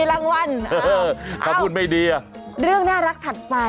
อยากจะไฟล์เหมือนกันนะคะ